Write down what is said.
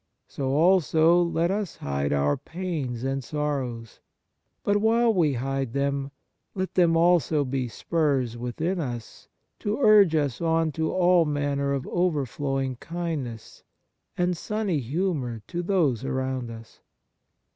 So also let us hide our pains and sorrows. But while we hide them, let them also be spurs within us to urge us on to all manner of overflowing Kind Actions 105 kindness and sunny humour to those around us.